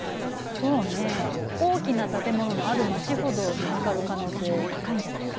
そうね大きな建物のある街ほど見つかる可能性高いんじゃないかな。